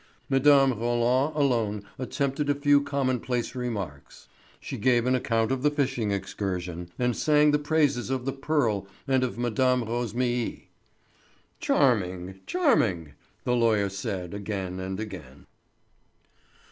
Mme. Roland alone attempted a few commonplace remarks. She gave an account of the fishing excursion, and sang the praises of the Pearl and of Mme. Rosémilly. "Charming, charming!" the lawyer said again and again.